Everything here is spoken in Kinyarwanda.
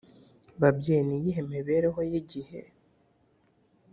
Babyeyi ni iyihe mibereho y igihe